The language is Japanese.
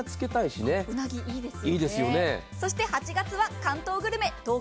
そして８月は関東グルメ。